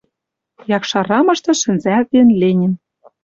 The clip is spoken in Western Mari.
Якшар рамышты шӹнзӓлтен Ленин